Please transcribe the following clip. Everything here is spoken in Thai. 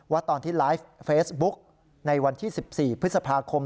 ว่าตอนที่ไลฟ์เฟสบุ๊คในวันที่สิบสี่พฤษภาคม